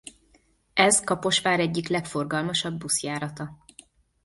Ez Kaposvár egyik legforgalmasabb buszjárata.